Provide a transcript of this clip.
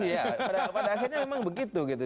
pada akhirnya memang begitu